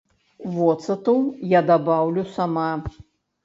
Воцату я дабаўлю сама.